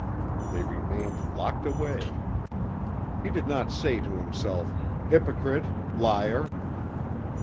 They remained locked away. He did not say to himself, "Hypocrite! Liar!"